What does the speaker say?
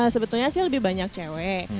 sebetulnya sih lebih banyak cewek